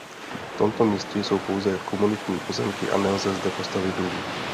V tomto městě jsou pouze komunitní pozemky a nelze zde postavit dům.